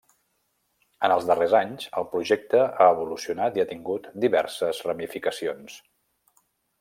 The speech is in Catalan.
En els darrers anys, el projecte ha evolucionat i ha tingut diverses ramificacions.